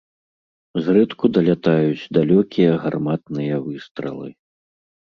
Зрэдку далятаюць далёкія гарматныя выстралы.